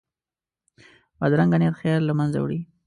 بدرنګه نیت خیر له منځه وړي